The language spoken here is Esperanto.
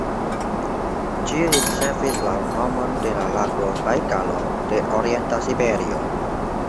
Ĝi ricevis la nomon de la lago Bajkalo de orienta siberio.